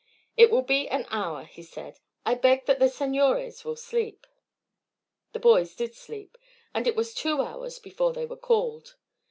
"It will be an hour," he said. "I beg that the senores will sleep." The boys did sleep, and it was two hours before they were called.